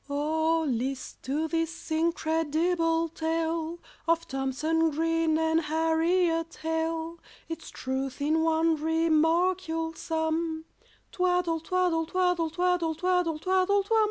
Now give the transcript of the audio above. OH list to this incredible tale Of THOMSON GREEN and HARRIET HALE; Its truth in one remark you'll sum— "Twaddle twaddle twaddle twaddle twaddle twaddle twum!"